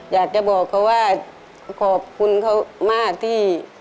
อยากจะบอกเขาว่าขอบคุณเขามากที่